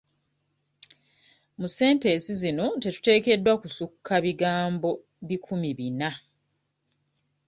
Mu sentensi zino tetuteekeddwa kusukka bigambo bikumi bina.